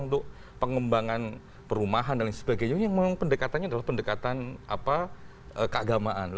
untuk pengembangan perumahan dan sebagainya memang pendekatannya pendekatan apa keagamaan